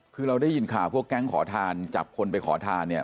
คือเราได้ยินข่าวพวกแก๊งขอทานจับคนไปขอทานเนี่ย